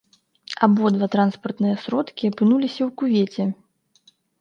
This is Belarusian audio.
Абодва транспартныя сродкі апынуліся ў кювеце.